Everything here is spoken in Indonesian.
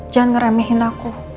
jangan ngeremehin aku